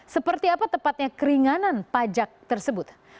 seperti apa tepatnya keringanan pajak tersebut